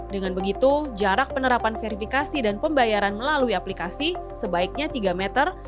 dengan begitu jarak penerapan verifikasi dan pembayaran melalui aplikasi sebaiknya tiga meter